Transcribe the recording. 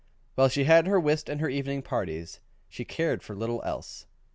While she had her whist and her evening parties, she cared for little else.